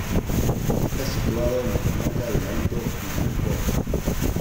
Está situado en la comarca del Alto Vinalopó.